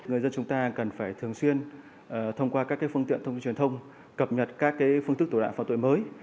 người dân chúng ta cần phải thường xuyên thông qua các phương tiện thông tin truyền thông cập nhật các phương tức tổ đạo phạm tội mới